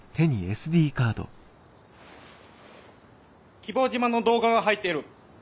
希望島の動画が入ってる。